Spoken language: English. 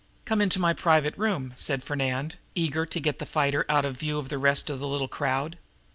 "Come into my private room," said Fernand, eager to get the fighter out of view of the rest of the little crowd.